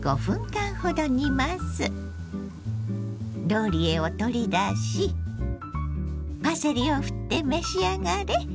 ローリエを取り出しパセリをふって召し上がれ。